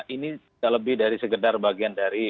ini tidak lebih dari sekedar bagian dari